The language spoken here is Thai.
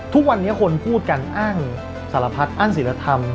ทุกวันนี้คนพูดกันอ้างสารพัดอ้างศิลธรรม